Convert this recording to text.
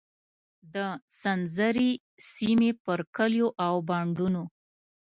د سنځري سیمې پر کلیو او بانډونو.